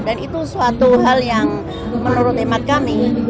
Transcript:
dan itu suatu hal yang menurut emak kami